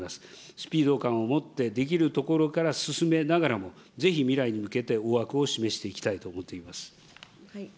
スピード感を持ってできるところから進めながらも、ぜひ未来に向けて大枠を示していきたいと思っています。